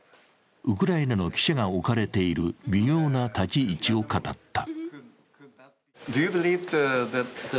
ウクライナの記者が置かれている微妙な立ち位置を語った。